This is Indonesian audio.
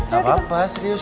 gak apa apa serius